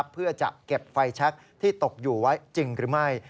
เพื่อจะเก็บไฟแชคที่ตกอยู่ไว้จริงหรือไม่